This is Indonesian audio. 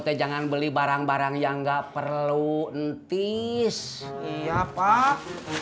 kita jangan beli barang barang yang nggak perlu entis iya pak